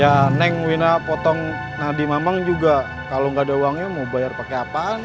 ya neng wina potong nadi mamang juga kalau nggak ada uangnya mau bayar pakai apaan